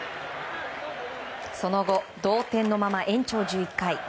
その後同点のまま延長１１回。